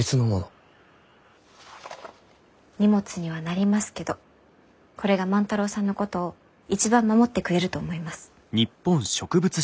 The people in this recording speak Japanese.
荷物にはなりますけどこれが万太郎さんのことを一番守ってくれると思います。